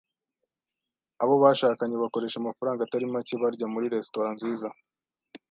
Abo bashakanye bakoresha amafaranga atari make barya muri resitora nziza.